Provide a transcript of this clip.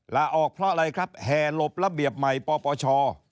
ลาออกเพราะอะไรครับแห่หลบระเบียบใหม่ปปช